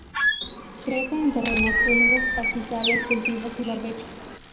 Crece en terrenos húmedos, pastizales, cultivos y barbechos.